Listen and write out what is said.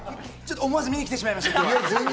思わず見に来てしまいました。